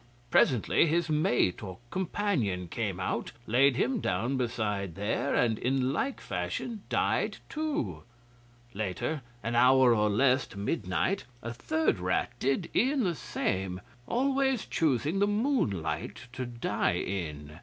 Presently his mate or companion came out, laid him down beside there, and in like fashion died too. Later an hour or less to midnight a third rat did e'en the same; always choosing the moonlight to die in.